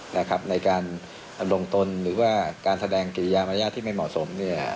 ในการดำรงตนหรือว่าการแสดงกิริยามารยาทที่ไม่เหมาะสม